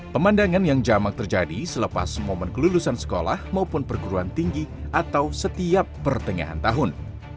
pemandangan yang jamak terjadi selepas momen kelulusan sekolah maupun perguruan tinggi atau setiap pertengahan tahun